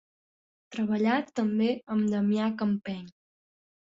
Treballà també amb Damià Campeny.